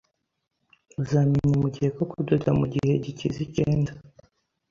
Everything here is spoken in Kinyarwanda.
Uzamenya mugihe ko kudoda mugihe gikiza icyenda.